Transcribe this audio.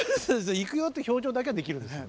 「いくよ」っていう表情だけはできるんですよね。